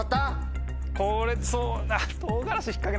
これそう。